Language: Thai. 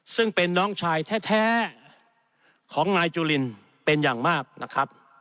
ซึ่งเป็นน้องชายแท้ของนายจุลินเป็นอย่างมากนะครับ